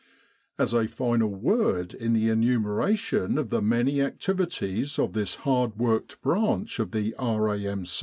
As a final word in the enumeration of the many activities of this hard worked branch of the R.A.M.